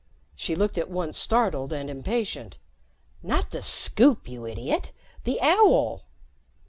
She looked at once startled and impatient. "Not the Scoop, you idiot. The owl."